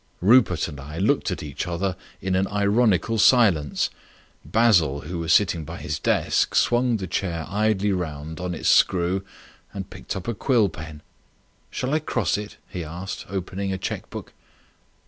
Rupert and I looked at each other in an ironical silence. Basil, who was sitting by his desk, swung the chair round idly on its screw and picked up a quill pen. "Shall I cross it?" he asked, opening a cheque book.